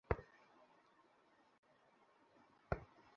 কাল একটু তাড়াতাড়ি অফিসে আসতে পারবেন?